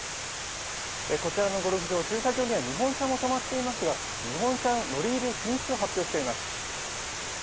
こちらのゴルフ場、駐車場には日本車も止まっていますが日本車乗り入れ禁止を発表しています。